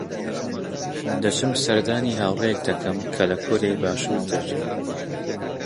دەچم سەردانی هاوڕێیەک دەکەم کە لە کۆریای باشوور دەژی.